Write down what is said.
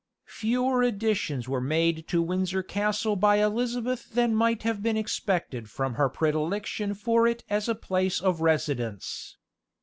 Fewer additions were made to Windsor Castle by Elizabeth than might have been expected from her predilection for it as a place of residence.